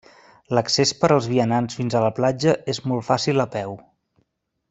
L'accés per als vianants fins a la platja és molt fàcil a peu.